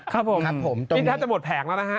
ครับผมนี่ถ้าจะหมดแผงแล้วนะฮะ